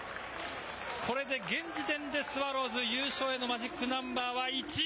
これで現時点でスワローズ優勝へのマジックナンバーは１。